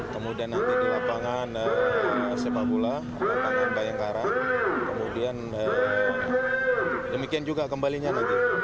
kemudian nanti di lapangan sebabula lapangan bayang karang kemudian demikian juga kembalinya nanti